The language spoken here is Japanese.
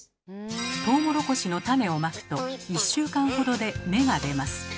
トウモロコシの種をまくと１週間ほどで芽が出ます。